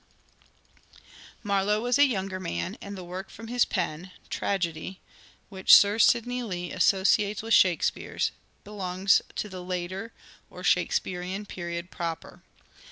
320 "SHAKESPEARE" IDENTIFIED Marlowe was a younger man, and the work from his pen (tragedy) which Sir Sidney Lee associates with Shakespeare's, belongs to the later or " Shakespearean " period proper.